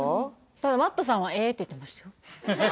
ただＭａｔｔさんは「え」って言ってましたよ